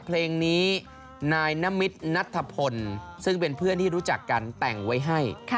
เพลงนี้นายนมิตรนัทพลซึ่งเป็นเพื่อนที่รู้จักกันแต่งไว้ให้